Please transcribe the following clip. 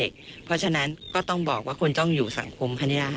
และสร้างขัม